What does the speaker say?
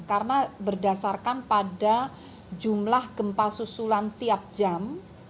karena berdasarkan pada jumlah gempa susulan tiap jam